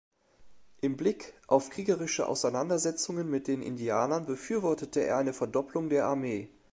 Im Blick auf kriegerische Auseinandersetzungen mit den Indianern befürwortete er eine Verdoppelung der Armee.